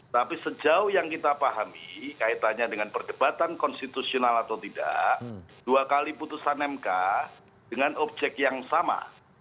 tapi sejauh yang kita pahami kaitannya dengan perdebatan konstitusional atau tidak dua kali putusan mk dengan objek yang sama